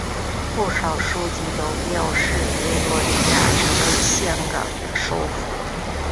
不少书籍都标示维多利亚城为香港的首府。